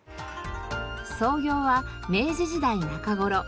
創業は明治時代中頃。